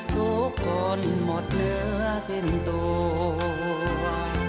ทุกคนหมดเนื้อสิ้นตัว